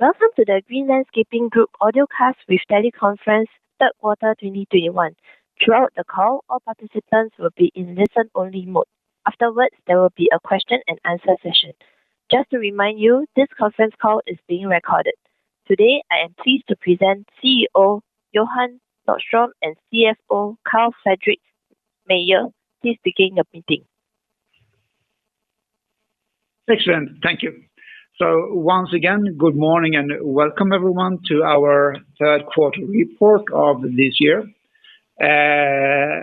Welcome to the Green Landscaping Group Audiocast with Teleconference Q3 2021. Throughout the call, all participants will be in listen-only mode. Afterwards, there will be a question and answer session. Just to remind you, this conference call is being recorded. Today, I am pleased to present CEO Johan Nordström and CFO Carl-Fredrik Meijer. Please begin your meeting. Excellent. Thank you. Once again, good morning and welcome everyone to our third quarter report of this year.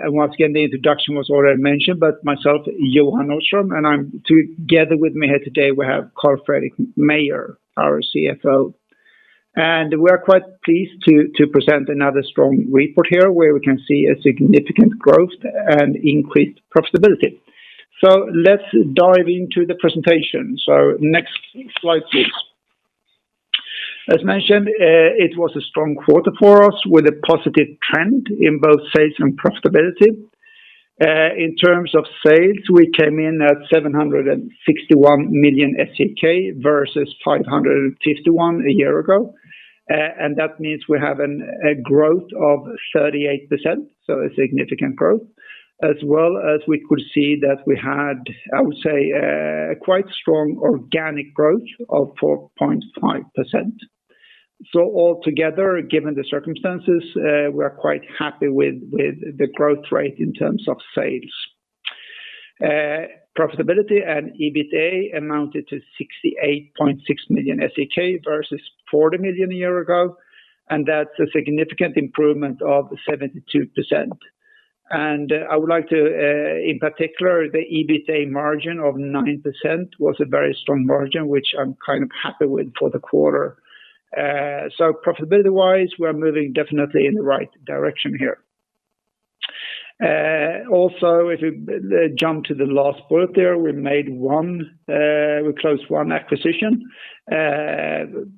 Once again, the introduction was already mentioned, but myself, Johan Nordström. Together with me here today we have Carl-Fredrik Meijer, our CFO. We're quite pleased to present another strong report here where we can see a significant growth and increased profitability. Let's dive into the presentation. Next slide, please. As mentioned, it was a strong quarter for us with a positive trend in both sales and profitability. In terms of sales, we came in at 761 million SEK versus 551 million a year ago. That means we have a growth of 38%, so a significant growth. As well as we could see that we had, I would say, quite strong organic growth of 4.5%. Altogether, given the circumstances, we're quite happy with the growth rate in terms of sales. Profitability and EBITA amounted to 68.6 million SEK versus 40 million a year ago, and that's a significant improvement of 72%. I would like to, in particular, the EBITA margin of 9% was a very strong margin, which I'm kind of happy with for the quarter. Profitability-wise, we're moving definitely in the right direction here. Also, if we jump to the last bullet there, we closed one acquisition,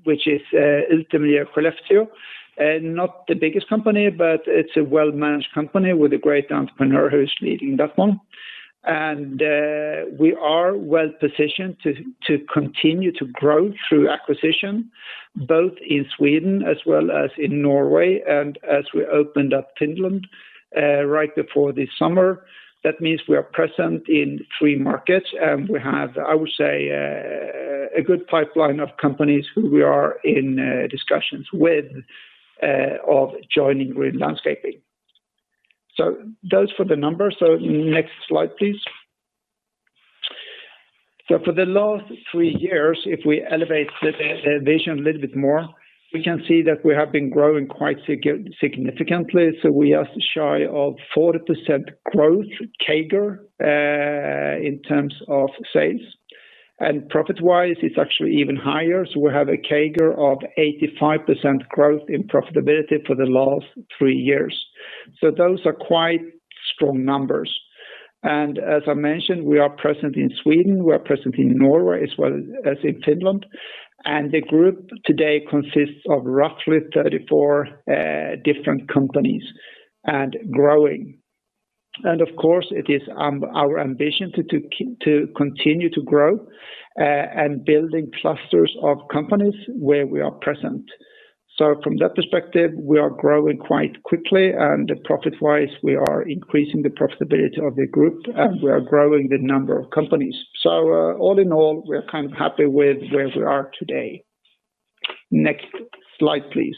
which is Utemiljö Skellefteå. Not the biggest company, but it's a well-managed company with a great entrepreneur who's leading that one. We are well-positioned to continue to grow through acquisition, both in Sweden as well as in Norway, and as we opened up Finland right before this summer. That means we are present in three markets, and we have, I would say, a good pipeline of companies who we are in discussions with of joining Green Landscaping. That's for the numbers. Next slide, please. For the last three years, if we elevate the vision a little bit more, we can see that we have been growing quite significantly. We are shy of 40% growth CAGR in terms of sales. Profit-wise, it's actually even higher. We have a CAGR of 85% growth in profitability for the last three years. Those are quite strong numbers. As I mentioned, we are present in Sweden, we are present in Norway as well as in Finland. The group today consists of roughly 34 different companies and growing. Of course, it is our ambition to continue to grow and building clusters of companies where we are present. From that perspective, we are growing quite quickly, and profit-wise, we are increasing the profitability of the group, and we are growing the number of companies. All in all, we're kind of happy with where we are today. Next slide, please.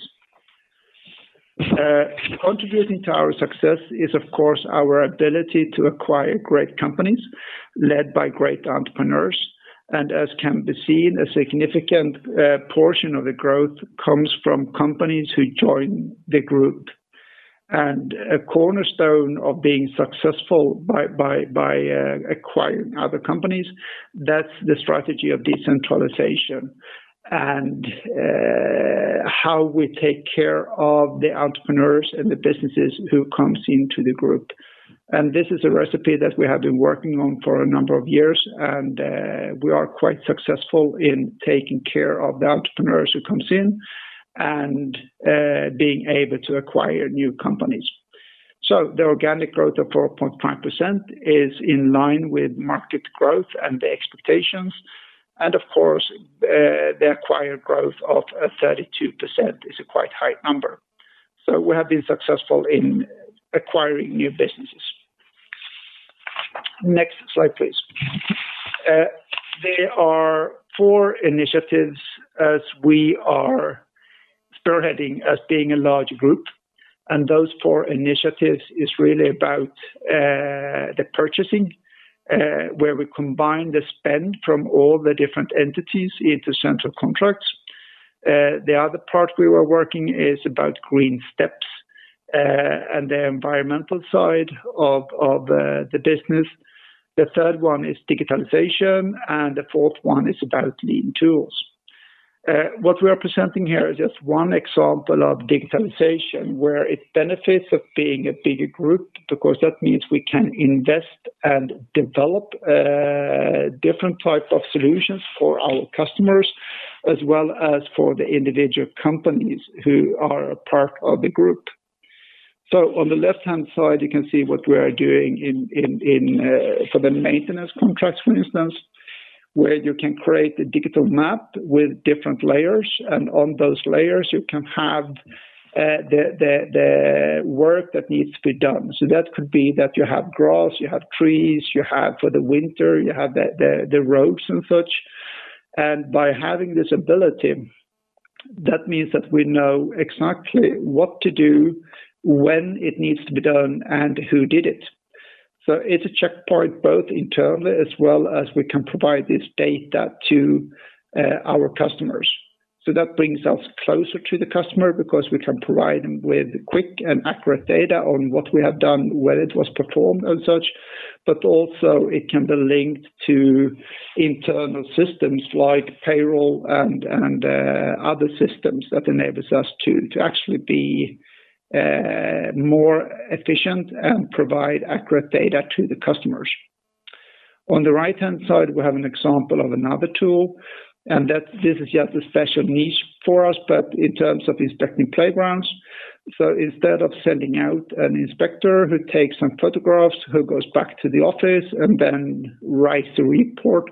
Contributing to our success is of course our ability to acquire great companies led by great entrepreneurs. As can be seen, a significant portion of the growth comes from companies who join the group. A cornerstone of being successful by acquiring other companies, that's the strategy of decentralization and how we take care of the entrepreneurs and the businesses who comes into the group. This is a recipe that we have been working on for a number of years, and we are quite successful in taking care of the entrepreneurs who comes in and being able to acquire new companies. The organic growth of 4.5% is in line with market growth and the expectations. Of course, the acquired growth of 32% is a quite high number. We have been successful in acquiring new businesses. Next slide, please. There are four initiatives as we are spearheading as being a large group, and those four initiatives is really about the purchasing, where we combine the spend from all the different entities into central contracts. The other part we were working is about Green Steps, and the environmental side of the business. The third one is digitalization, and the fourth one is about lean tools. What we are presenting here is just one example of digitalization where it benefits from being a bigger group, because that means we can invest and develop different types of solutions for our customers as well as for the individual companies who are a part of the group. On the left-hand side, you can see what we are doing in for the maintenance contracts, for instance, where you can create a digital map with different layers, and on those layers you can have the work that needs to be done. That could be that you have grass, you have trees, you have for the winter, you have the roads and such. By having this ability, that means that we know exactly what to do, when it needs to be done, and who did it. It's a checkpoint both internally as well as we can provide this data to our customers. That brings us closer to the customer because we can provide them with quick and accurate data on what we have done, when it was performed and such. Also it can be linked to internal systems like payroll and other systems that enables us to actually be more efficient and provide accurate data to the customers. On the right-hand side, we have an example of another tool, and that this is just a special niche for us, but in terms of inspecting playgrounds. Instead of sending out an inspector who takes some photographs, who goes back to the office and then writes a report,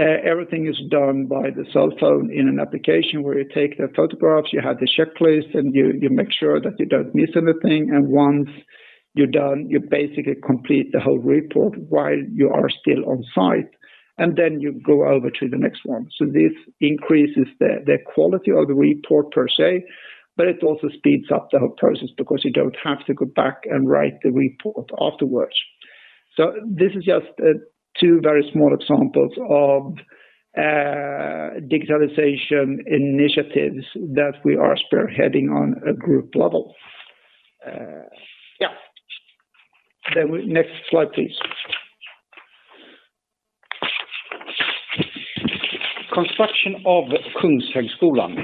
everything is done by the cell phone in an application where you take the photographs, you have the checklist, and you make sure that you don't miss anything. Once you're done, you basically complete the whole report while you are still on site, and then you go over to the next one. This increases the quality of the report per se, but it also speeds up the whole process because you don't have to go back and write the report afterwards. This is just two very small examples of digitalization initiatives that we are spearheading on a group level. Next slide, please. Construction of Kungshögskolan.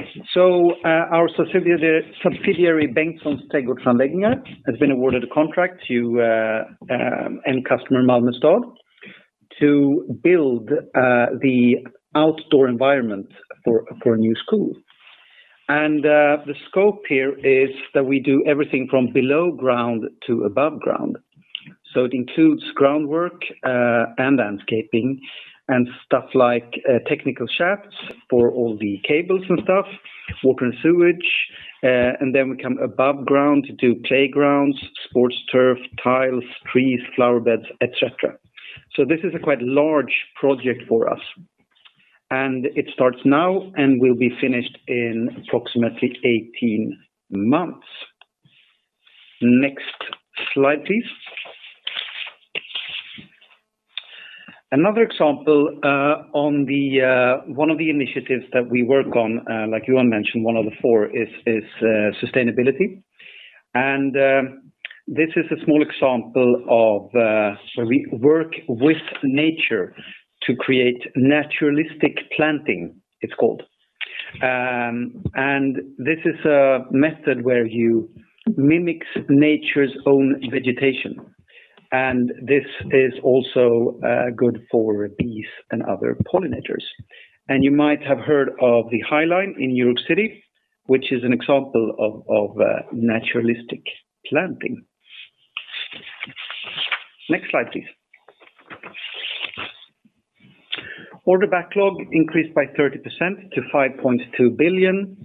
Our subsidiary, Bengtssons Trädgårdsanläggningar, has been awarded a contract to end customer Malmö Stad to build the outdoor environment for a new school. The scope here is that we do everything from below ground to above ground. It includes groundwork and landscaping and stuff like technical shafts for all the cables and stuff, water and sewage. Then we come above ground to do playgrounds, sports turf, tiles, trees, flower beds, etc. This is a quite large project for us, and it starts now and will be finished in approximately 18 months. Next slide, please. Another example on the one of the initiatives that we work on, like Johan mentioned, one of the four is sustainability. This is a small example of where we work with nature to create naturalistic planting, it's called. This is a method where you mimic nature's own vegetation, and this is also good for bees and other pollinators. You might have heard of the High Line in New York City, which is an example of naturalistic planting. Next slide, please. Order backlog increased by 30% to 5.2 billion.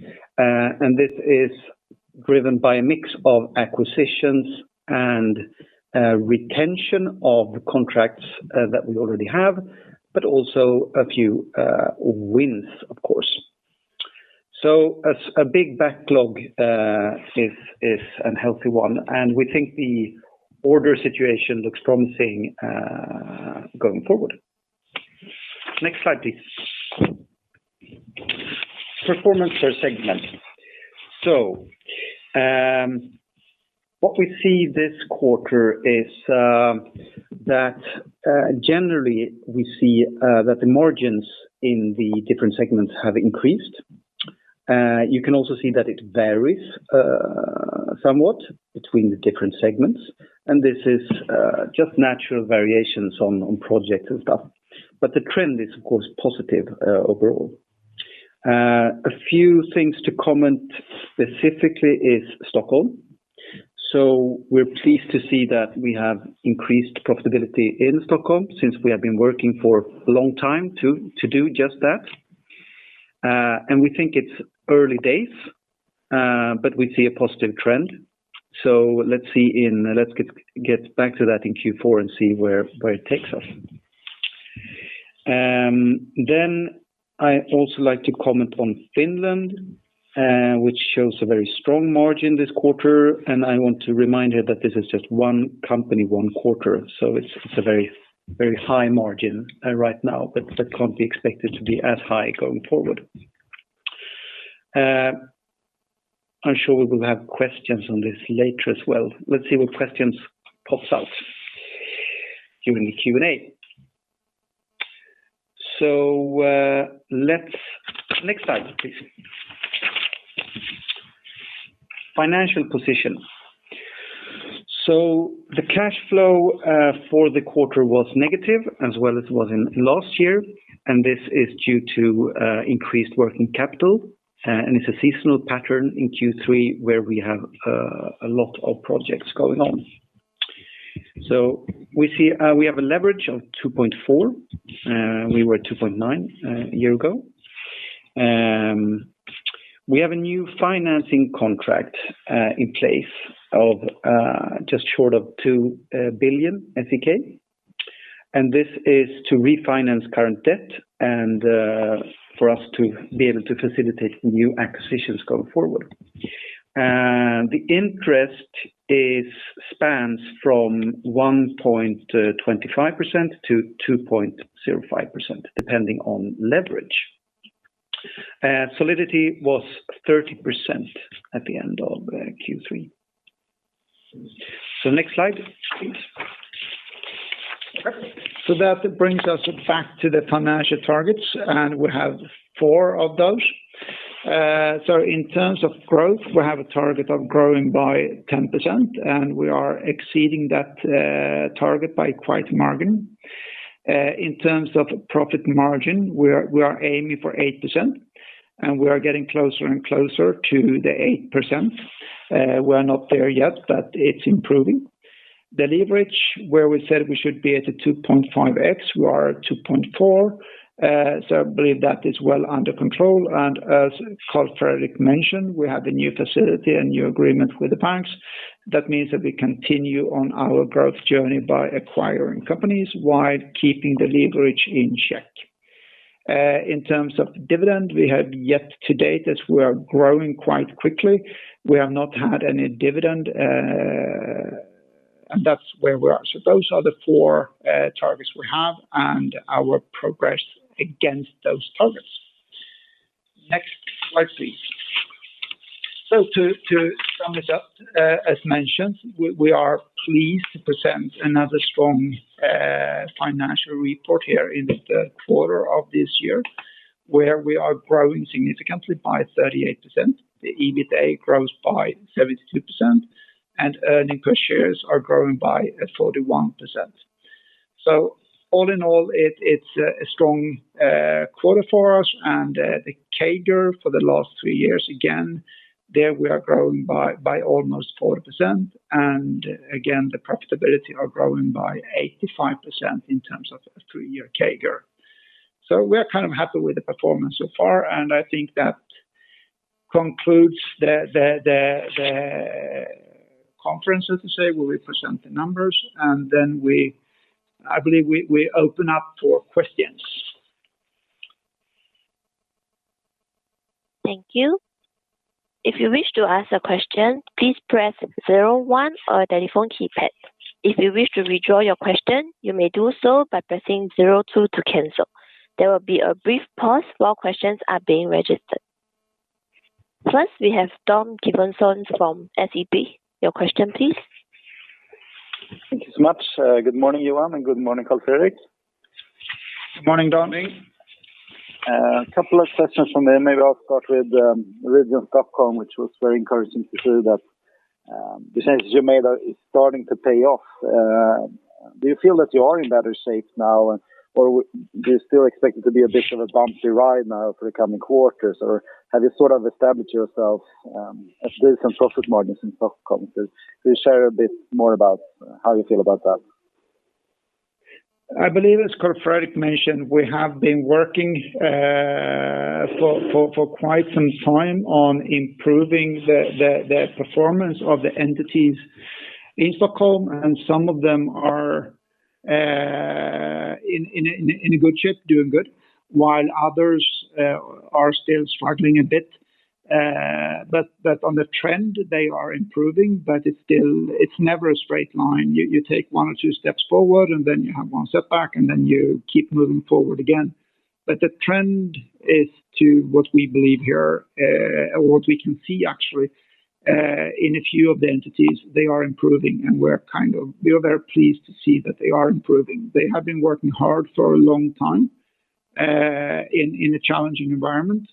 This is driven by a mix of acquisitions and retention of contracts that we already have, but also a few wins, of course. A big backlog is a healthy one, and we think the order situation looks promising going forward. Next slide, please. Performance per segment. What we see this quarter is that generally we see that the margins in the different segments have increased. You can also see that it varies somewhat between the different segments, and this is just natural variations on projects and stuff, but the trend is of course positive overall. A few things to comment specifically is Stockholm. We're pleased to see that we have increased profitability in Stockholm since we have been working for a long time to do just that. We think it's early days, but we see a positive trend. Let's get back to that in Q4 and see where it takes us. I also like to comment on Finland, which shows a very strong margin this quarter, and I want to remind you that this is just one company, one quarter. It's a very, very high margin right now, but that can't be expected to be as high going forward. I'm sure we will have questions on this later as well. Let's see what questions pops out during the Q&A. Next slide, please. Financial Position. The cash flow for the quarter was negative as well as it was in last year, and this is due to increased working capital, and it's a seasonal pattern in Q3 where we have a lot of projects going on. We have a leverage of 2.4. We were 2.9 a year ago. We have a new financing contract in place, just short of 2 billion SEK, and this is to refinance current debt and for us to be able to facilitate new acquisitions going forward. The interest spans from 1.25%-2.05% depending on leverage. Solidity was 30% at the end of Q3. Next slide, please. That brings us back to the financial targets, and we have four of those. In terms of growth, we have a target of growing by 10%, and we are exceeding that target by quite a margin. In terms of profit margin, we are aiming for 8%, and we are getting closer and closer to the 8%. We're not there yet, but it's improving. The leverage where we said we should be at the 2.5x, we are at 2.4. I believe that is well under control. As Carl-Fredrik mentioned, we have a new facility, a new agreement with the banks. That means that we continue on our growth journey by acquiring companies while keeping the leverage in check. In terms of dividend, we have yet to date as we are growing quite quickly. We have not had any dividend, and that's where we are. Those are the four targets we have and our progress against those targets. Next slide, please. To sum it up, as mentioned, we are pleased to present another strong financial report here in the third quarter of this year, where we are growing significantly by 38%. The EBITA grows by 72%, and earnings per share are growing by 41%. All in all, it's a strong quarter for us and the CAGR for the last three years, again, there we are growing by almost 40%. Again, the profitability are growing by 85% in terms of three-year CAGR. We're kind of happy with the performance so far, and I think that concludes the conference, let's just say, where we present the numbers, and then I believe we open up for questions. Thank you. If you wish to ask a question, please press zero one on your telephone keypad. If you wish to withdraw your question, you may do so by pressing zero two to cancel. There will be a brief pause while questions are being registered. First, we have Dan Johansson from SEB. Your question, please. Thank you so much. Good morning, Johan, and good morning, Carl-Fredrik. Good morning, Dan. A couple of questions from there. Maybe I'll start with operations in Stockholm, which was very encouraging to hear that decisions you made is starting to pay off. Do you feel that you are in better shape now, or do you still expect it to be a bit of a bumpy ride now for the coming quarters? Or have you sort of established yourself as there is some profit margins in Stockholm? Can you share a bit more about how you feel about that? I believe, as Carl-Fredrik mentioned, we have been working for quite some time on improving the performance of the entities in Stockholm, and some of them are in a good shape, doing good, while others are still struggling a bit. On the trend, they are improving, but it's still. It's never a straight line. You take one or two steps forward, and then you have one step back, and then you keep moving forward again. The trend is to what we believe here, or what we can see actually, in a few of the entities, they are improving, and we are very pleased to see that they are improving. They have been working hard for a long time, in a challenging environment.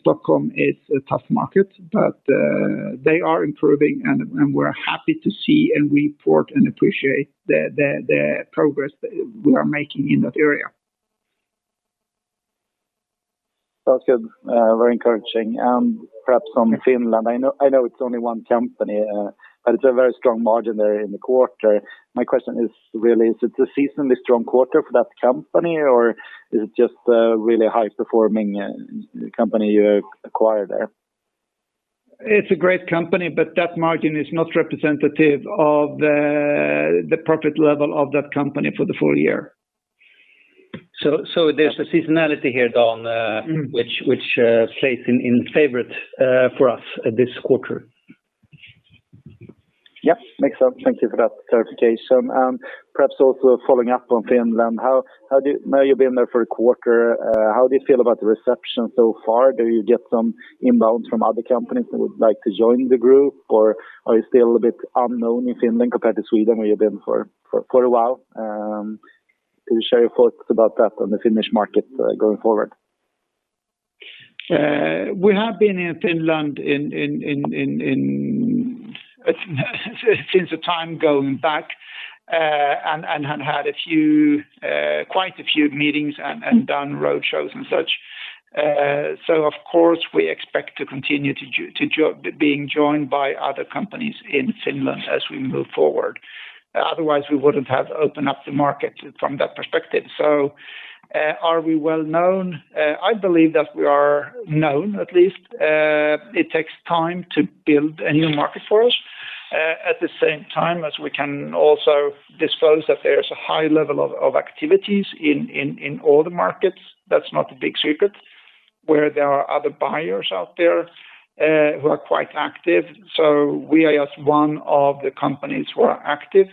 Stockholm is a tough market, but they are improving, and we're happy to see and report and appreciate the progress that we are making in that area. Sounds good. Very encouraging. Perhaps on Finland, I know it's only one company, but it's a very strong margin there in the quarter. My question is really, is it a seasonally strong quarter for that company, or is it just a really high-performing company you acquired there? It's a great company, but that margin is not representative of the profit level of that company for the full year. There's a seasonality here, Dan. Mm-hmm. Which plays in favor for us this quarter. Yep. Makes sense. Thank you for that clarification. Perhaps also following up on Finland. Now you've been there for a quarter, how do you feel about the reception so far? Do you get some inbound from other companies that would like to join the group, or are you still a bit unknown in Finland compared to Sweden, where you've been for a while? Can you share your thoughts about that on the Finnish market, going forward? We have been in Finland since the time going back, and had quite a few meetings and done roadshows and such. Of course, we expect to continue to be joined by other companies in Finland as we move forward. Otherwise, we wouldn't have opened up the market from that perspective. Are we well-known? I believe that we are known, at least. It takes time to build a new market for us. At the same time as we can also disclose that there's a high level of activities in all the markets, that's not a big secret, where there are other buyers out there who are quite active. We are just one of the companies who are active.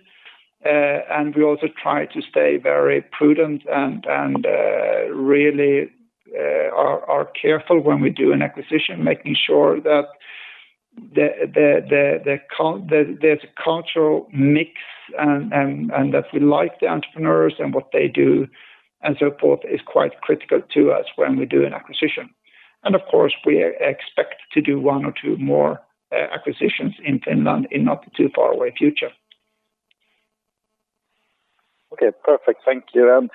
We also try to stay very prudent and really are careful when we do an acquisition, making sure that there's a cultural mix and that we like the entrepreneurs and what they do, and so forth is quite critical to us when we do an acquisition. Of course, we expect to do one or two more acquisitions in Finland in not too far away future. Okay, perfect. Thank you.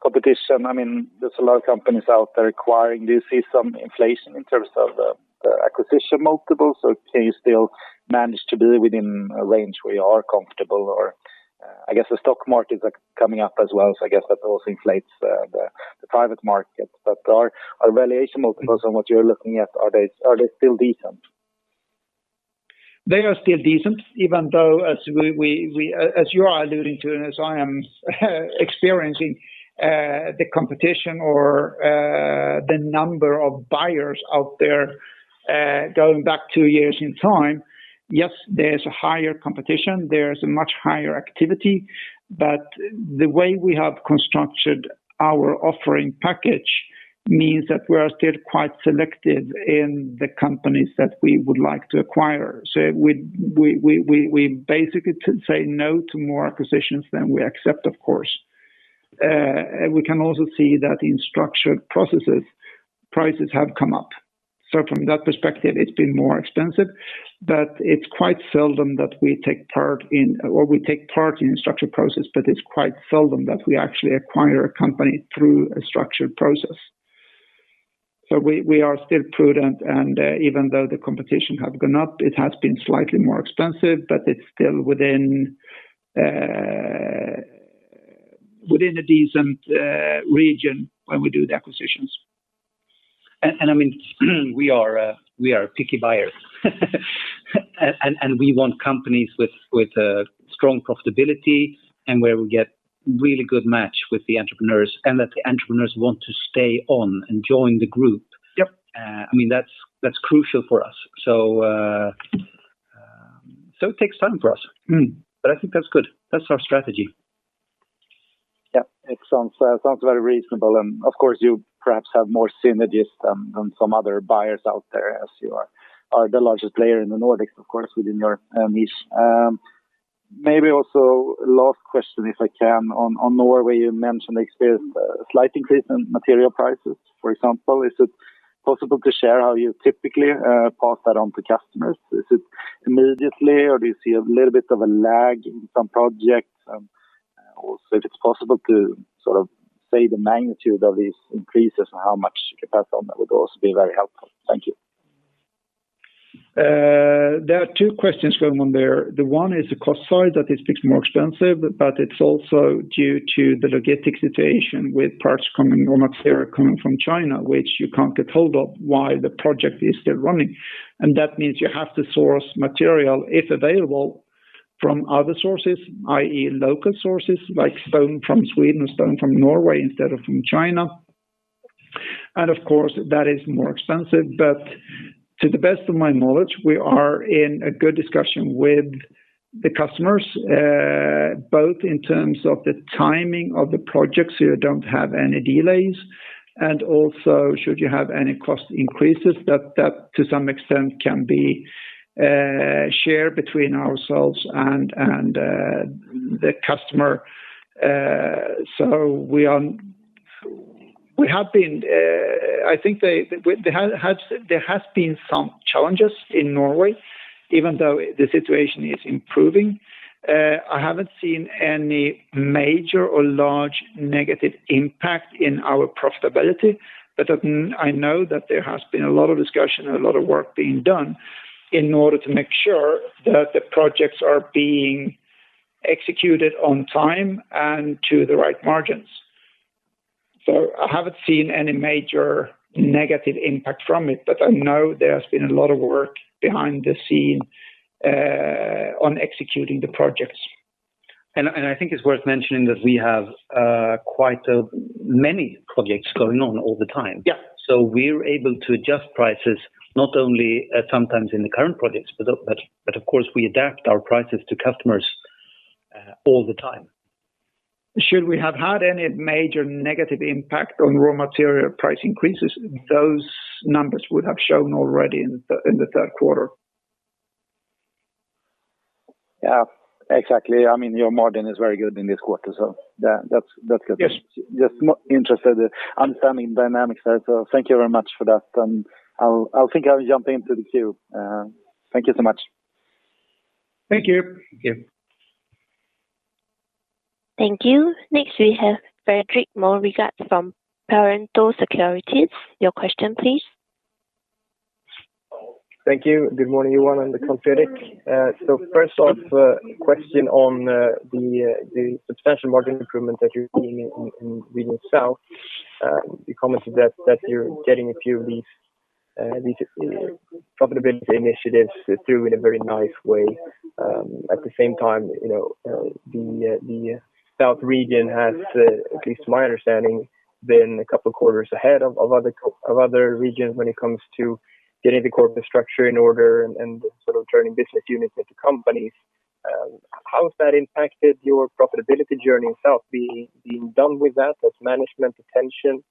Competition, I mean, there's a lot of companies out there acquiring. Do you see some inflation in terms of the acquisition multiples or can you still manage to be within a range where you are comfortable? Or, I guess the stock markets are coming up as well, so I guess that also inflates the private market. Are valuation multiples on what you're looking at still decent? They are still decent, even though, as you are alluding to and as I am experiencing, the competition or the number of buyers out there, going back two years in time, yes, there's a higher competition. There's a much higher activity. The way we have constructed our offering package means that we are still quite selective in the companies that we would like to acquire. We basically say no to more acquisitions than we accept, of course. We can also see that in structured processes, prices have come up. From that perspective, it's been more expensive. It's quite seldom that we take part in a structured process, but it's quite seldom that we actually acquire a company through a structured process. We are still prudent, and even though the competition has gone up, it has been slightly more expensive, but it's still within a decent region when we do the acquisitions. I mean, we are a picky buyer. We want companies with a strong profitability and where we get really good match with the entrepreneurs, and that the entrepreneurs want to stay on and join the group. Yep. I mean, that's crucial for us. It takes time for us. I think that's good. That's our strategy. Yeah. It sounds very reasonable. Of course, you perhaps have more synergies than some other buyers out there as you are the largest player in the Nordics, of course, within your niche. Maybe also last question, if I can. On Norway, you mentioned experienced a slight increase in material prices. For example, is it possible to share how you typically pass that on to customers? Is it immediately, or do you see a little bit of a lag in some projects? Also, if it's possible to sort of say the magnitude of these increases and how much you pass on, that would also be very helpful. Thank you. There are two questions going on there. The one is the cost side that it's become more expensive, but it's also due to the logistics situation with parts coming, raw materials coming from China, which you can't get hold of while the project is still running. That means you have to source material, if available, from other sources, i.e. local sources, like stone from Sweden or stone from Norway instead of from China. Of course, that is more expensive. To the best of my knowledge, we are in a good discussion with the customers, both in terms of the timing of the projects so you don't have any delays, and also should you have any cost increases, that, to some extent, can be shared between ourselves and the customer. We are. There has been some challenges in Norway, even though the situation is improving. I haven't seen any major or large negative impact in our profitability. I know that there has been a lot of discussion and a lot of work being done in order to make sure that the projects are being executed on time and to the right margins. I haven't seen any major negative impact from it, but I know there has been a lot of work behind the scenes on executing the projects. I think it's worth mentioning that we have quite many projects going on all the time. Yeah. We're able to adjust prices not only sometimes in the current projects, but of course, we adapt our prices to customers all the time. Should we have had any major negative impact on raw material price increases, those numbers would have shown already in the third quarter. Yeah, exactly. I mean, your margin is very good in this quarter, so that's good. Yes. Just more interested in understanding dynamics there. Thank you very much for that. I think I'll jump into the queue. Thank you so much. Thank you. Thank you. Thank you. Next, we have Fredrik Moberg from Pareto Securities. Your question, please. Thank you. Good morning, everyone. I'm Fredrik. First off, question on the substantial margin improvement that you're seeing in Region South. You commented that you're getting a few of these profitability initiatives through in a very nice way. At the same time, you know, the South region has, at least to my understanding, been a couple quarters ahead of other regions when it comes to getting the corporate structure in order and sort of turning business units into companies. How has that impacted your profitability journey itself, being done with that? Has management attention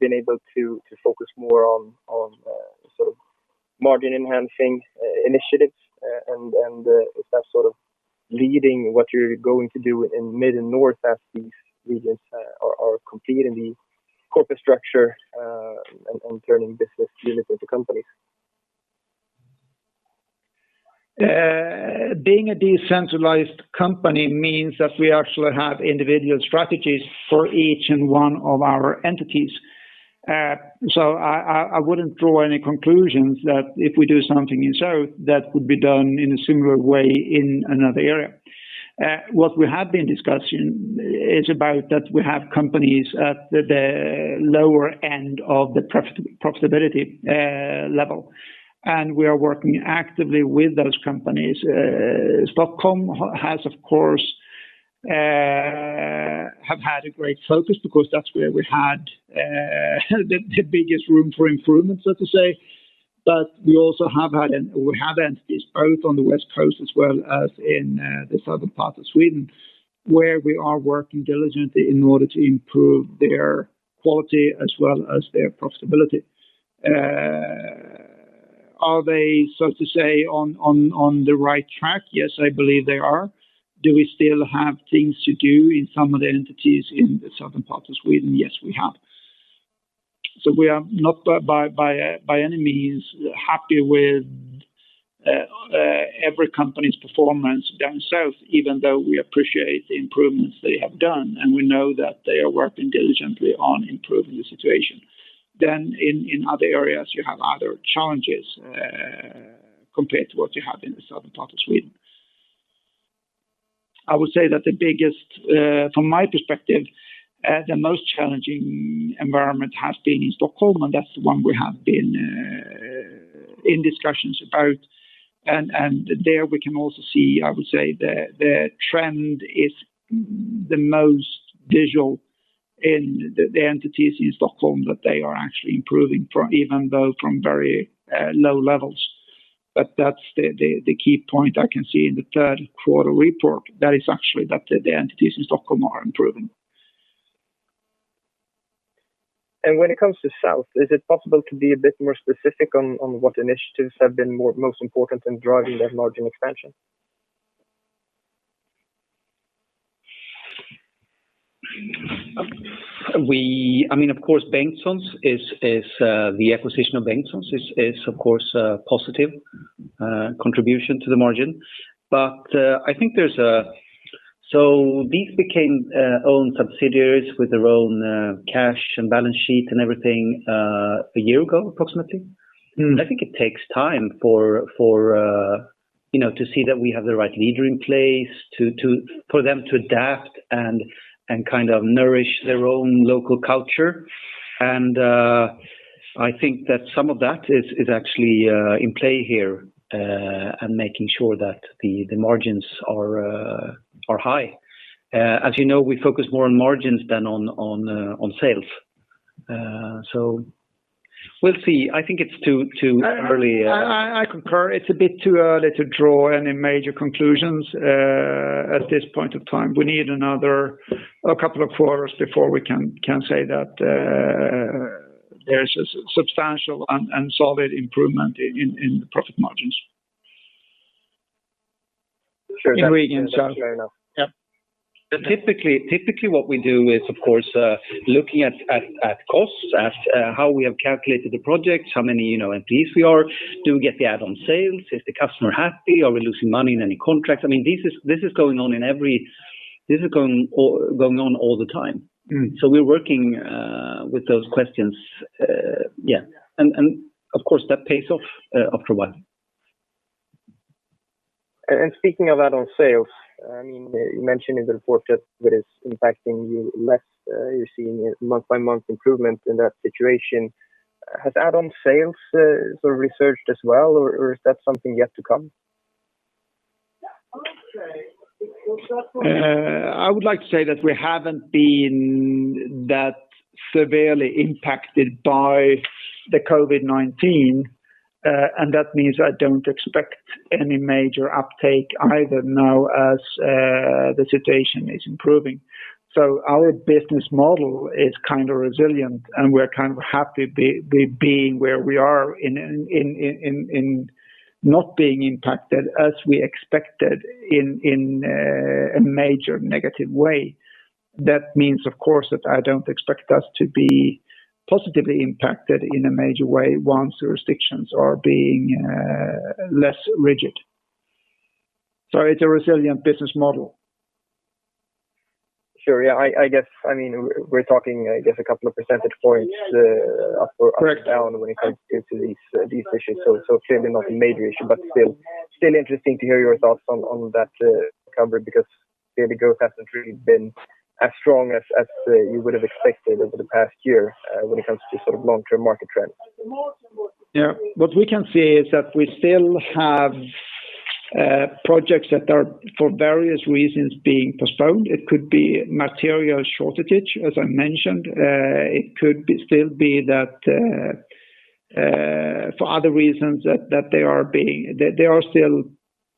been able to focus more on sort of margin enhancing initiatives, and if that's sort of leading what you're going to do in Mid and North as these regions are completing the corporate structure and turning business units into companies? Being a decentralized company means that we actually have individual strategies for each and one of our entities. I wouldn't draw any conclusions that if we do something in South, that would be done in a similar way in another area. What we have been discussing is about that we have companies at the lower end of the profitability level, and we are working actively with those companies. Stockholm has of course had a great focus because that's where we had the biggest room for improvement, so to say. We also have entities both on the West Coast as well as in the Southern part of Sweden, where we are working diligently in order to improve their quality as well as their profitability. Are they, so to say, on the right track? Yes, I believe they are. Do we still have things to do in some of the entities in the Southern part of Sweden? Yes, we have. We are not by any means happy with every company's performance down South, even though we appreciate the improvements they have done, and we know that they are working diligently on improving the situation. In other areas, you have other challenges compared to what you have in the Southern part of Sweden. I would say that the biggest, from my perspective, the most challenging environment has been in Stockholm, and that's the one we have been in discussions about. There we can also see, I would say the trend is the most visual in the entities in Stockholm that they are actually improving, even though from very low levels. That's the key point I can see in the third quarter report. That is actually that the entities in Stockholm are improving. When it comes to South, is it possible to be a bit more specific on what initiatives have been most important in driving that margin expansion? I mean, of course, the acquisition of Bengtssons is of course a positive contribution to the margin. I think these became own subsidiaries with their own cash and balance sheet and everything a year ago, approximately. Mm-hmm. I think it takes time for you know to see that we have the right leader in place to for them to adapt and kind of nourish their own local culture. I think that some of that is actually in play here and making sure that the margins are high. As you know, we focus more on margins than on sales. We'll see. I think it's too early. I concur. It's a bit too early to draw any major conclusions at this point of time. We need another a couple of quarters before we can say that there's a substantial and solid improvement in the profit margins. Sure. Fair enough. In regions, yeah. Yeah. Typically what we do is of course looking at costs, how we have calculated the projects, how many, you know, entities we are. Do we get the add-on sales? Is the customer happy? Are we losing money in any contracts? I mean, this is going on in every. This is going on all the time. Mm-hmm. We're working with those questions. Yeah. Of course that pays off after a while. Speaking of add-on sales, I mean, you mentioned in the forecast that it's impacting you less. You're seeing a month-by-month improvement in that situation. Has add-on sales sort of resurged as well, or is that something yet to come? I would like to say that we haven't been that severely impacted by the COVID-19, and that means I don't expect any major uptake either now as the situation is improving. Our business model is kind of resilient, and we're kind of happy being where we are in not being impacted as we expected in a major negative way. That means, of course, that I don't expect us to be positively impacted in a major way once jurisdictions are being less rigid. It's a resilient business model. Sure. Yeah. I guess, I mean, we're talking, I guess, a couple of percentage points. Correct. Up or down when it comes due to these issues. Clearly not a major issue, but still interesting to hear your thoughts on that coverage because clearly growth hasn't really been as strong as you would have expected over the past year when it comes to sort of long-term market trends. Yeah. What we can say is that we still have projects that are, for various reasons, being postponed. It could be material shortage, as I mentioned. It could still be that for other reasons that they are being postponed. There are still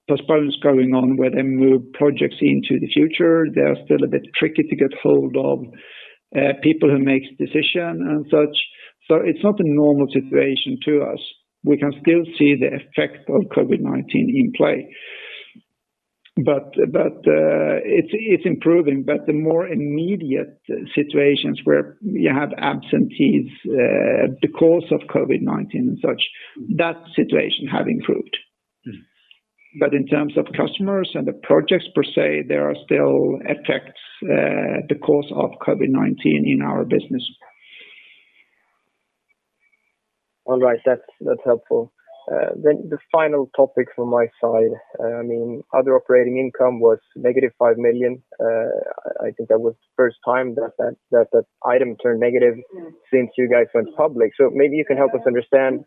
postponements going on where they move projects into the future. They are still a bit tricky to get hold of people who make decisions and such. It's not a normal situation to us. We can still see the effect of COVID-19 in play. It's improving. The more immediate situations where you have absentees because of COVID-19 and such, that situation has improved. Mm-hmm. In terms of customers and the projects per se, there are still effects of the course of COVID-19 in our business. All right. That's helpful. The final topic from my side, I mean, other operating income was -5 million. I think that was the first time that item turned negative since you guys went public. Maybe you can help us understand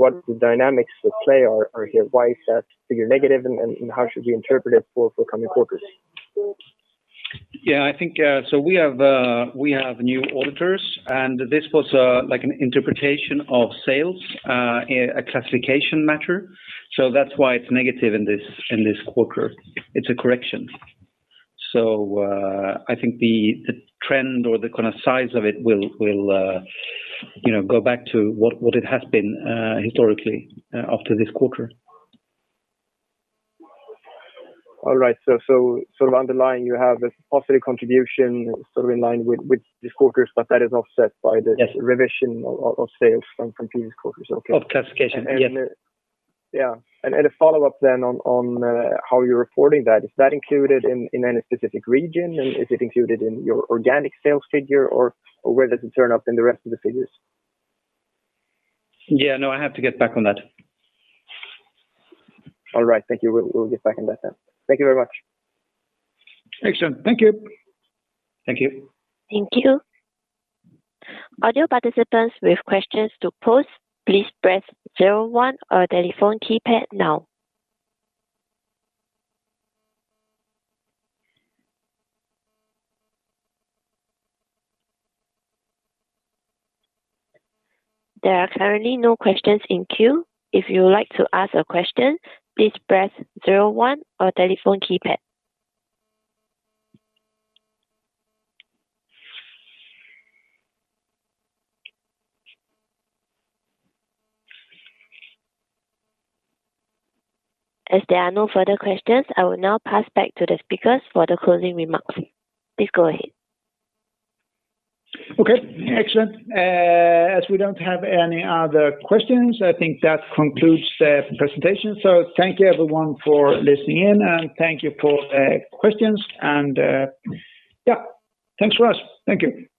what the dynamics at play are here. Why is that figure negative and how should we interpret it for coming quarters? Yeah, I think we have new auditors, and this was like an interpretation of sales, a classification matter. That's why it's negative in this quarter. It's a correction. I think the trend or the kind of size of it will, you know, go back to what it has been historically after this quarter. All right. Underlying, you have a positive contribution sort of in line with this quarter's, but that is offset by the- Yes. Revision of sales from previous quarters. Okay. Of classification. Yes. A follow-up then on how you're reporting that. Is that included in any specific region, and is it included in your organic sales figure or where does it turn up in the rest of the figures? Yeah, no, I have to get back on that. All right. Thank you. We'll get back on that then. Thank you very much. Excellent. Thank you. Thank you. Thank you. All you participants with questions to pose, please press zero one on telephone keypad now. There are currently no questions in queue. If you would like to ask a question, please press zero one on telephone keypad. As there are no further questions, I will now pass back to the speakers for the closing remarks. Please go ahead. Okay, excellent. As we don't have any other questions, I think that concludes the presentation. Thank you everyone for listening in, and thank you for the questions and, yeah, thanks Russ. Thank you. Bye.